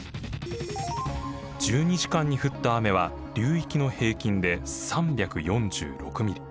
１２時間に降った雨は流域の平均で３４６ミリ。